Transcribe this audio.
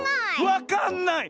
わかんない⁉